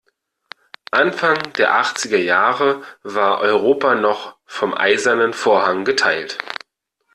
Anfang der achtziger Jahre war Europa noch vom eisernen Vorhang geteilt.